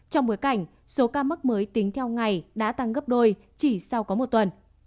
trong bối cảnh số ca mắc mới tính theo ngày đã tăng gấp đôi chỉ sau có một tuần